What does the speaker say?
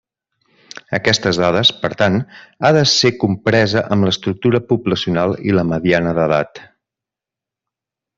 Aquestes dades, per tant, ha de ser compresa amb l'estructura poblacional i la mediana d'edat.